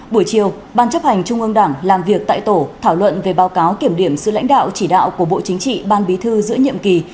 buổi chiều ban chấp hành trung ương đảng làm việc tại tổ thảo luận về báo cáo kiểm điểm sự lãnh đạo chỉ đạo của bộ chính trị ban bí thư giữa nhiệm kỳ